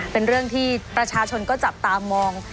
เป็นเรื่องที่ประชาชนก็จับตามอง